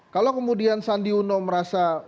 kalau kemudian sandi uno merasa